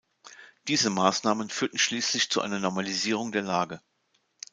Diese Maßnahmen führten schließlich zu einer Normalisierung der Lage.